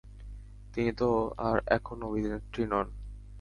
তিনি তো আর এখন অভিনেত্রী নন!